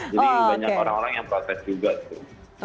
banyak orang orang yang protes juga tuh